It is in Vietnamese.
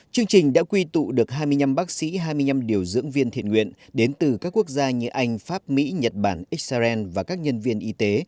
chương trình đã quy tụ được hai mươi năm bác sĩ hai mươi năm điều dưỡng viên thiện nguyện đến từ các quốc gia như anh pháp mỹ nhật bản israel và các nhân viên y tế